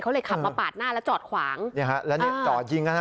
เขาเลยขับมาปาดหน้าแล้วจอดขวางนี่ค่ะแล้วจอดยิง